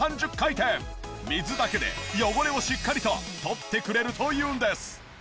水だけで汚れをしっかりと取ってくれるというんです。